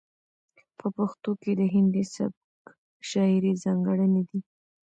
په پښتو کې د هندي سبک شاعرۍ ځاتګړنې دي.